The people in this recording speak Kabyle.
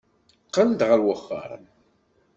Qqel-d ɣer uxxam.